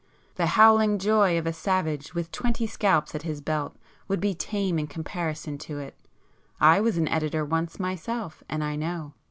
The howling joy of a savage with twenty scalps at his belt would be tame in comparison to it! I was an editor once myself, and I know!"